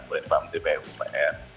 mulai pak menteri bumn